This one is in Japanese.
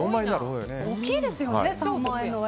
大きいですよね。